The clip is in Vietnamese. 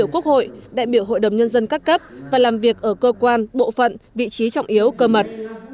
quốc hội đại biểu hội đồng nhân dân các cấp và làm việc ở cơ quan bộ phận vị trí trọng yếu cơ mật